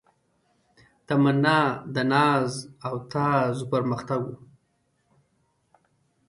تمنا د ناز او تاز و پرمختګ و